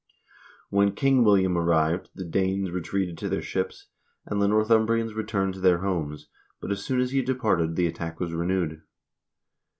When King William arrived, the Danes retreated to their ships, and the Northumbrians returned to their homes, but as soon as he departed the attack was renewed.